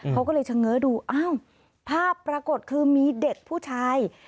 เขาก็เลยเฉง้อดูอ้าวภาพปรากฏคือมีเด็กผู้ชาย